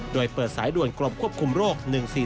โดยเปิดสายด่วนกรมควบคุมโรค๑๔๔